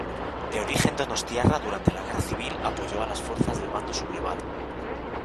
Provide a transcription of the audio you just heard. De origen donostiarra, durante la Guerra civil apoyó a las fuerzas del Bando sublevado.